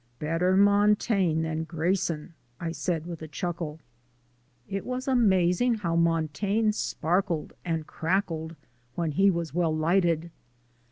"Better Montaigne than Grayson," I said, with a chuckle. It was amazing how Montaigne sparkled and crackled when he was well lighted.